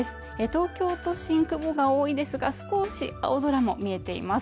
東京都心雲が多いですが少し青空も見えています